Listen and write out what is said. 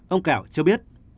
ông kẹo cho biết